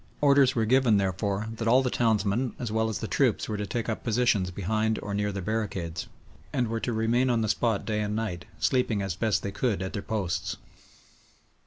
Orders were given, therefore, that all the townsmen as well as the troops were to take up positions behind or near the barricades, and were to remain on the spot day and night, sleeping as best they could at their posts.